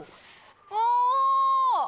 お！